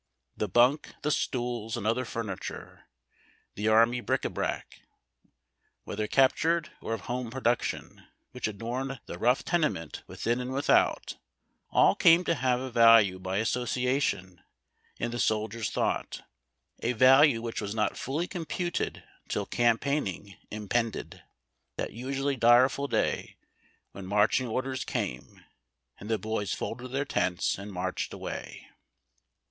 The bunk, the stools, and other furniture, the army bric a brac, whether captured or of home production, which adorned the rougfh tenement within and without, all came to have a value by association in the soldier's thought, a value which was not fully computed till campaigning impended — that usually direful day, when marching orders came and the boys folded their tents and marched away.